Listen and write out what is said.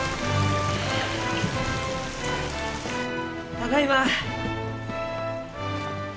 ただいま！